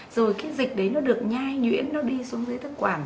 rồi cái dịch đấy nó được nhai nhuyễn nó đi xuống dưới thức quảng